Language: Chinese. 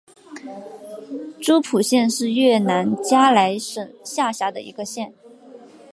诸蒲县是越南嘉莱省下辖的一个县。